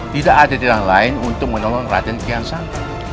tidak ada yang lain untuk menolong raden kiansang